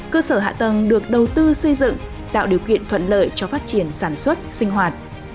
cơ sở hạ tầng được đầu tư xây dựng tạo điều kiện thuận lợi cho phát triển sản xuất sinh hoạt